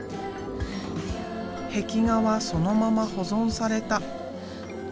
壁画はそのまま保存された。